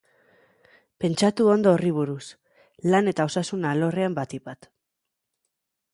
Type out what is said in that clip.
Pentsatu ondo horri buruz, lan eta osasun alorrean batipat.